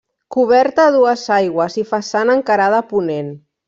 Coberta a dues aigües i façana encarada a ponent.